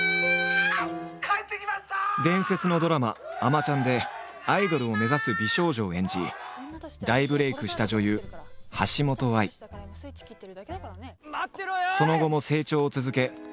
伝説のドラマ「あまちゃん」でアイドルを目指す美少女を演じ大ブレークしたその後も成長を続け